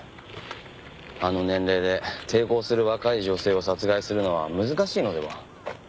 あの年齢で抵抗する若い女性を殺害するのは難しいのでは？